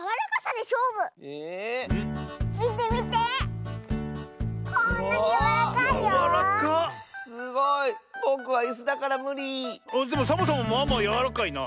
でもサボさんもまあまあやわらかいな。